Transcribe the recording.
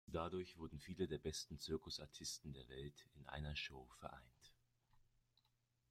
Dadurch wurden viele der besten Zirkusartisten der Welt in einer Show vereint.